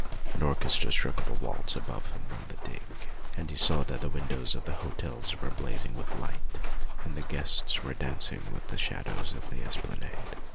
An orchestra struck up a waltz above him on the digue, and he saw that the windows of the hotels were blazing with light, and that the guests were dancing with the shadows of the esplanade.